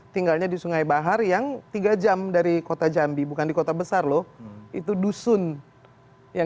tinggalnya di sungai bahar yang tiga jam dari kota jambi bukan di kota besar loh itu dusun yang